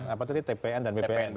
apa tadi tpn dan bpn